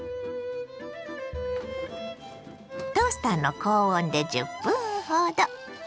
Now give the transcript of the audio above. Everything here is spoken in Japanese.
トースターの高温で１０分ほど。